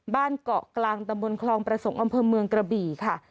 เกาะกลางตำบลคลองประสงค์อำเภอเมืองกระบี่ค่ะ